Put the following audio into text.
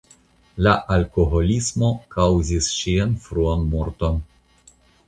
La alkoholismo kaŭzis ŝian fruan morton.